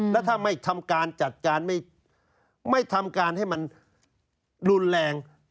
แล้วถ้าไม่ทำการจัดการไม่ทำการให้มันรุนแรง